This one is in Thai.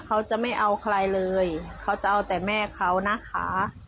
เขาจะไม่เอาใครเลยเขาจะเอาแต่แม่เขานะคะ